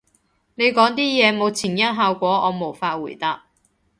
你講啲嘢冇前因後果，我無法回答